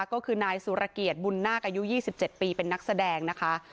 ก็คือนายสุรเกียรติบุญนาคอายุ๒๗ปีเป็นนักแสดงนะคะ